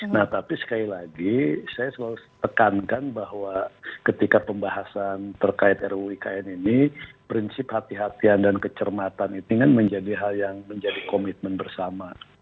nah tapi sekali lagi saya selalu tekankan bahwa ketika pembahasan terkait ruikn ini prinsip hati hatian dan kecermatan itu kan menjadi hal yang menjadi komitmen bersama